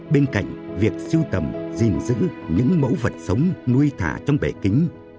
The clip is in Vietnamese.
bên cạnh việc siêu tầm gìn giữ những mẫu vật sống nuôi thả trong bể kính